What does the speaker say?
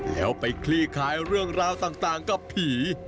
แล้วไปคลี่คลายเรื่องราวต่างกับผี